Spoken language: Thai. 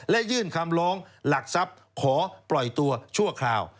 และยื่นคำร้องหลักทรัพย์ขอปล่อยตัวชั่วคราว